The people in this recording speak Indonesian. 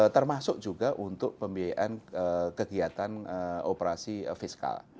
termasuk juga untuk pembiayaan kegiatan operasi fiskal